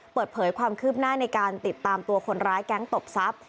เปิดเผยความคืบหน้าในการติดตามตัวคนร้ายแก๊งตบทรัพย์